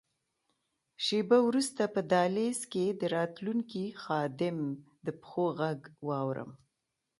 شیبه وروسته په دهلېز کې د راتلونکي خادم د پښو ږغ واورم.